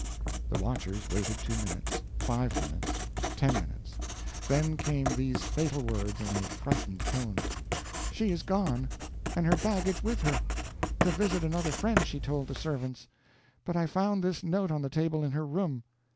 The watchers waited two minutes five minutes ten minutes. Then came these fatal words, in a frightened tone: "She is gone, and her baggage with her. To visit another friend, she told the servants. But I found this note on the table in her room.